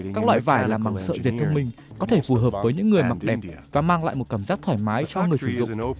các loại vải làm bằng sợi diệt thông minh có thể phù hợp với những người mặc đẹp và mang lại một cảm giác thoải mái cho người sử dụng